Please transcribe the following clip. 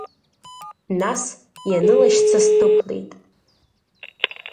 Нас, ианылашьца сдәықәлеит.